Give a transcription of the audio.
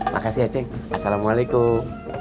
makasih ya cik assalamualaikum